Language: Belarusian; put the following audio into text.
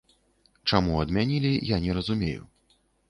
Чаму адмянілі, я не разумею.